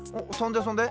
そんで？